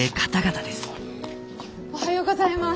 おはようございます。